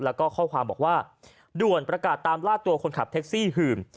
แล้วก็ข้อความบอกว่าด่วนประกาศตามล่าตัวคนขับแท็กซี่หื่น